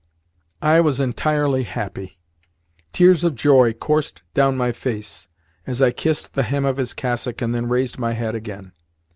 I was entirely happy. Tears of joy coursed down my face as I kissed the hem of his cassock and then raised my head again.